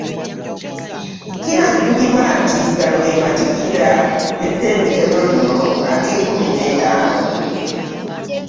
Kinajjukirwa nti gano ge matikkira g'ettendekero lino ag'ekiumi n'etaano